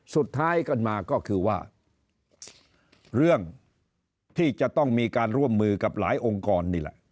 สุดท้ายกันมาก็คือว่าเรื่องที่จะต้องมีการร่วมมือกับหลายองค์กรนี่แหละ